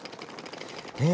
え